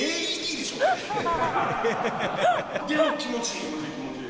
でも気持ちいい。